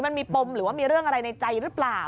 มันมีปมหรือว่ามีเรื่องอะไรในใจหรือเปล่า